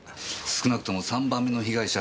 少なくとも３番目の被害者